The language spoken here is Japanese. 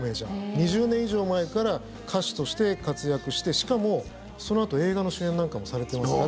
２０年以上前から歌手として活躍してしかも、そのあと映画の主演なんかもされてますから。